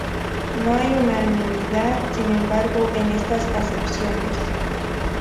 No hay unanimidad, sin embargo, en estas acepciones.